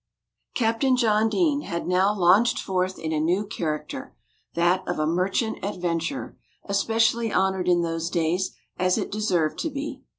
Captain John Deane had now launched forth in a new character, that of a merchant adventurer, especially honoured in those days, as it deserved to be.